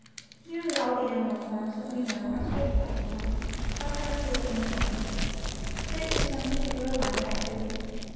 Nearly all the animal forms that we know are specialized forms, like our tools and implements shaped for some particular line of activity.